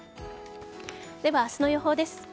では、明日の予報です。